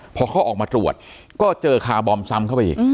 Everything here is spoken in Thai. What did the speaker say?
พอเขาออกมาตรวจก็เจอคาร์บอมซ้ำเข้าไปอีก